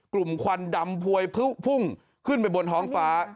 ควันดำพวยพุ่งขึ้นไปบนท้องฟ้า